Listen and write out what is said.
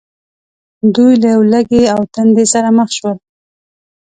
دوی له ولږې او تندې سره مخ شول.